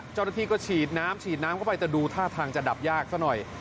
เจ้าหน้าที่ก็ฉีดน้ำฉีดน้ำเข้าไปแต่ดูท่าทางจะดับยากซะหน่อย